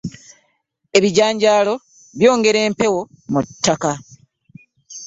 Ebijanjaalo byongera empewo mu ttaka.